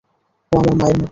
ও আমার মায়ের মতো।